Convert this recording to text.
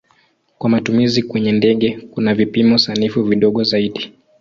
Kwa matumizi kwenye ndege kuna vipimo sanifu vidogo zaidi.